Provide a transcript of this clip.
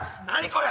これ！